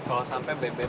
kalo sampe beben